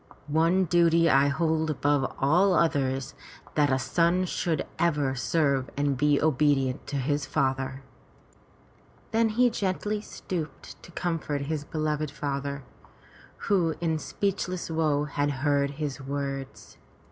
One duty I hold above all others — that a son should ever serve and be obedient to his father." Then he gently stooped to comfort his beloved father, who in speechless woe had heard his words.